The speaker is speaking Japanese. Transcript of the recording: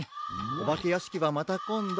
おばけやしきはまたこんど。